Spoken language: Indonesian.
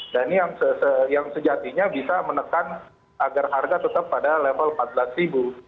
dan yang sejatinya bisa menekan agar harga tetap pada level rp empat belas